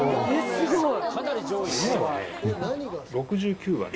すごい！